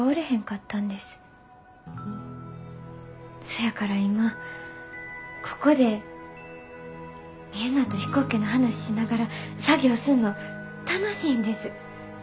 そやから今ここでみんなと飛行機の話しながら作業すんの楽しいんです。